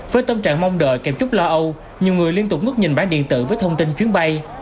với tâm trạng mong đợi kèm chút lo âu nhiều người liên tục ngất nhìn bản điện tử với thông tin chuyến bay